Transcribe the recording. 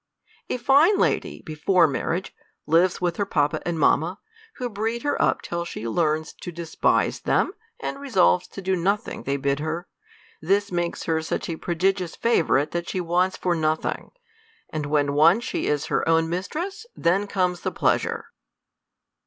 A fine lady, before marriage, lives with her papa and mamma, who breed her up till she learns to despise them, and resolves to, do nothing they bid her ; this makes her such a prodigious favorite, that she wants for nothing. And when once she is her own mistress, then comes the pleasure